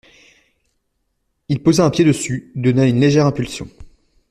Il posa un pied dessus, donna une légère impulsion.